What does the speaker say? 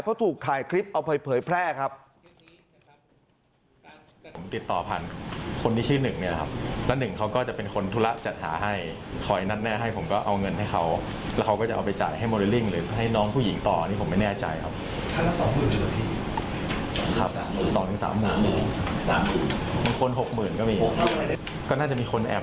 เพราะถูกถ่ายคลิปเอาไปเผยแพร่ครับ